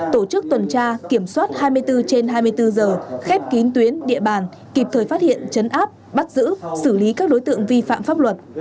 tổ chức tuần tra kiểm soát hai mươi bốn trên hai mươi bốn giờ khép kín tuyến địa bàn kịp thời phát hiện chấn áp bắt giữ xử lý các đối tượng vi phạm pháp luật